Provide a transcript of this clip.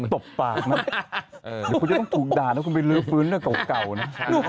เดี๋ยวคุณจะต้องถูกด่าถ้าคุณไปเรือฟื้นเรื่องเก่านะ